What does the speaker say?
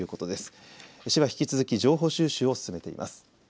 市は引き続き情報収集を進めています。